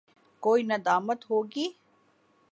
کوئی ندامت ہو گی؟